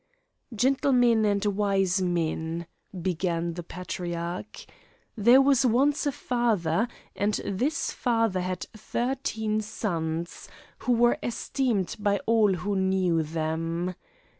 "Gentlemen and wise men," began the Patriarch, "there was once a father, and this father had thirteen sons, who were esteemed by all who knew them.